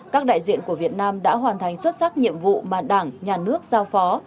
các đại diện của việt nam đã hoàn thành xuất sắc nhiệm vụ mà đảng nhà nước giao phó